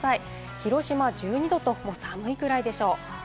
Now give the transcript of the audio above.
広島は１２度と寒いくらいでしょう。